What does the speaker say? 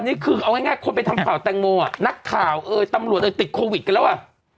ตอนนี้คือเอาง่ายคนไปทำข่าวแตงโมนักข่าวตำรวจติดโควิดกันแล้วอ่ะ